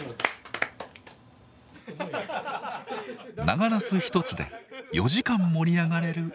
長なす一つで４時間盛り上がれる